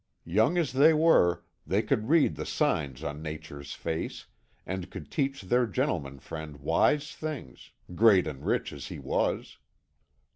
Young as they were, they could read the signs on Nature's face, and could teach their gentleman friend wise things, great and rich as he was.